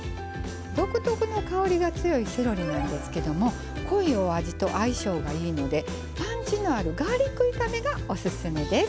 独特の香りが強いセロリなんですけども濃いお味と相性がいいのでパンチのあるガーリック炒めがおすすめです。